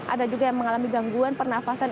ada juga yang mengalami gangguan pernafasan